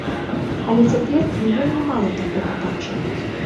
Але цяпер мы вельмі мала такога бачым.